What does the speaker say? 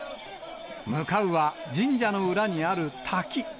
向かうは神社の裏にある滝。